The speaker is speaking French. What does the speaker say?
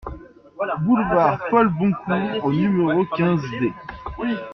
Boulevard Paul Boncour au numéro quinze D